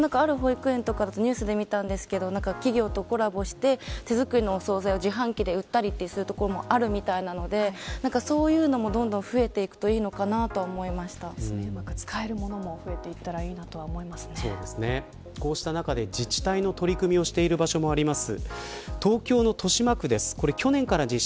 ある保育園とかだとニュースで見たんですけど企業とコラボして手作りのお総菜を自販機で売ったりする所もあるみたいなのでそういうのもどんどん増えていくとうまく使えるものも増えてこうした中で自治体の取り組みをしている場所もあります。